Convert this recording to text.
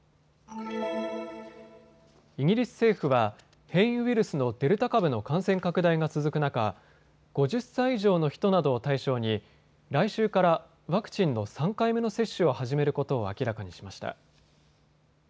イギリス政府は変異ウイルスのデルタ株の感染拡大が続く中、５０歳以上の人などを対象に来週からワクチンの３回目の接種を始めることを明らかにしました。